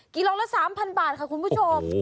กิโลละ๓๐๐บาทค่ะคุณผู้ชม